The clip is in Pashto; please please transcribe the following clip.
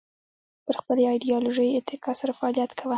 پر خپلې ایدیالوژۍ اتکا سره فعالیت کاوه